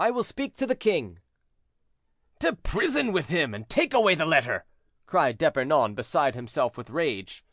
"I will speak to the king." "To prison with him, and take away the letter," cried D'Epernon, beside himself with rage.